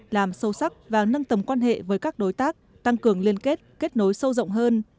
làm sâu sắc và nâng tầm quan hệ với các đối tác tăng cường liên kết kết nối sâu rộng hơn